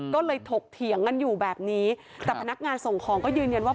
ก็เลยถกเถียงกันอยู่แบบนี้แต่พนักงานส่งของก็ยืนยันว่า